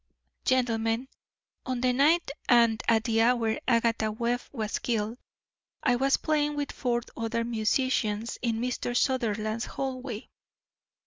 "Gentlemen, on the night and at the hour Agatha Webb was killed, I was playing with four other musicians in Mr. Sutherland's hallway.